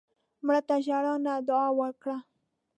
مړه ته ژړا نه، دعا وکړه